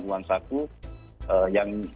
uang saku yang